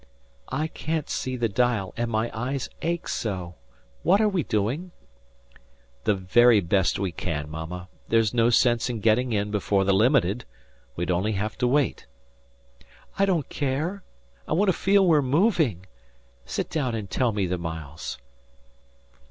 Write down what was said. "I can't see the dial, and my eyes ache so. What are we doing?" "The very best we can, Mama. There's no sense in getting in before the Limited. We'd only have to wait." "I don't care. I want to feel we're moving. Sit down and tell me the miles."